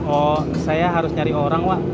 oh saya harus nyari orang pak